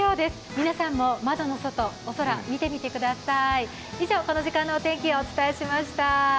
皆さんも窓の外、お空見てみてください。